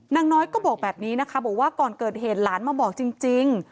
นางน้อยก็บอกแบบนี้นะคะบอกว่าก่อนเกิดเหตุหลานมาบอกจริง